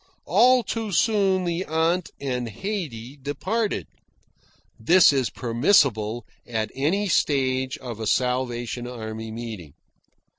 All too soon the aunt and Haydee departed. (This is permissible at any stage of a Salvation Army meeting.)